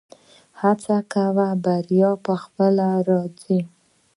هڅه کوه بریا خپله راځي